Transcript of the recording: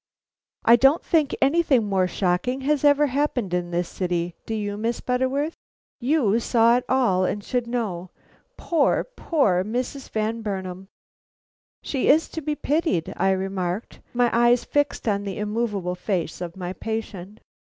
I don't think anything more shocking has ever happened in this city, do you, Miss Butterworth? You saw it all, and should know. Poor, poor Mrs. Van Burnam!" "She is to be pitied!" I remarked, my eyes fixed on the immovable face of my patient.